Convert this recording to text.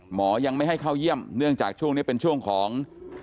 หมอยังไม่ให้เข้าเยี่ยมเนื่องจากช่วงนี้เป็นช่วงของ